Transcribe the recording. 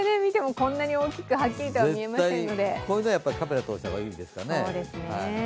これじゃカメラ通した方がいいですかね。